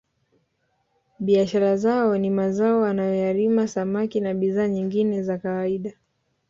Biashara zao ni mazao wanayoyalima samaki na bidhaa nyingine za kawaida